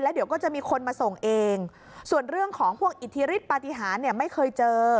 เดี๋ยวก็จะมีคนมาส่งเองส่วนเรื่องของพวกอิทธิฤทธิปฏิหารเนี่ยไม่เคยเจอ